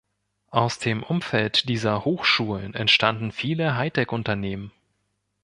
Aus dem Umfeld dieser Hochschulen entstanden viele Hightech-Unternehmen.